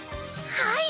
はい！